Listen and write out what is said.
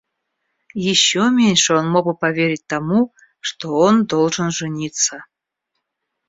Еще меньше он мог бы поверить тому, что он должен жениться.